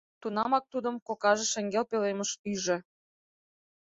Тунамак тудым кокаже шеҥгел пӧлемыш ӱжӧ.